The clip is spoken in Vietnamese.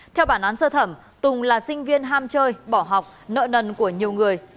theo bản án sơ thẩm tùng là sinh viên ham chơi bỏ học nợ nần của nhiều người